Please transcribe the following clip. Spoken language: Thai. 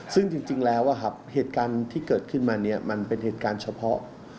ซึ่งจริงแล้วเหตุการณ์ที่เกิดขึ้นมาเนี่ยมันเป็นเหตุการณ์เฉพาะ